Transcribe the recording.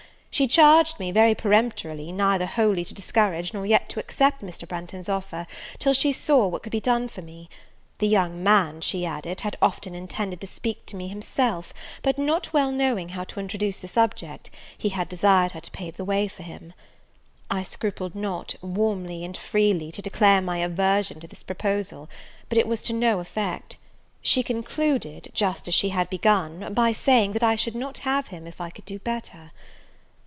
She charged me, very peremptorily, neither wholly to discourage, nor yet to accept Mr. Branghton's offer, till she saw what could be done for me: the young man, she added, had often intended to speak to me himself, but, not well knowing how to introduce the subject, he had desired her to pave the way for him. I scrupled not, warmly and freely, to declare my aversion to this proposal; but it was to no effect; she concluded, just as she had begun, by saying, that I should not have him, if I could do better.